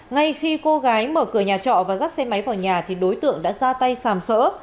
ngay khi cô gái mở cửa nhà trọ và dắt xe máy vào nhà thì đối tượng đã ra tay xàm sỡ